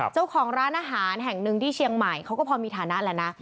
เจ้าของร้านอาหารแห่งหนึ่งที่เชียงใหม่เขาก็พอมีฐานะแหละนะ